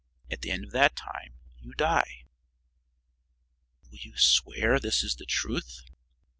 At the end of that time you die." "Will you swear this is the truth?"